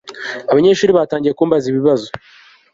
abanyeshuri batangiye kumbaza ibibazo